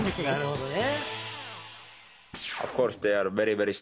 なるほどね。